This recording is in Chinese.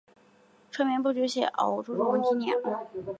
我叫帮手来